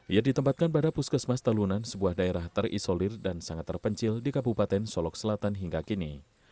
ia ditempatkan pada puskesmas talunan sebuah daerah terisolir dan sangat terpencil di kabupaten solok selatan hingga kini